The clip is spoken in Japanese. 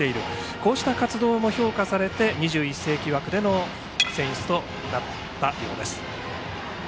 こうした活動も評価されて２１世紀枠での選出となったようです。